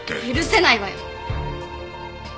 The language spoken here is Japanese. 許せないわよ！